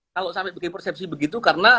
kalau sampai bikin persepsi begitu karena